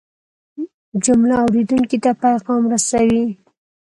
جمله اورېدونکي ته پیغام رسوي.